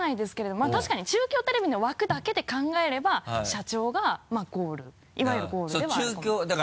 まぁ確かに中京テレビの枠だけで考えれば社長がまぁゴールいわゆるゴールではあるかも。